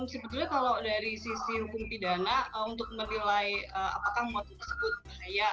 sebetulnya kalau dari sisi hukum pidana untuk menilai apakah motif tersebut bahaya